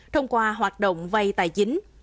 thông qua hoạt động vay tài chính